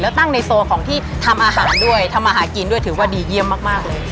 แล้วตั้งในโซนของที่ทำอาหารด้วยทำมาหากินด้วยถือว่าดีเยี่ยมมากเลย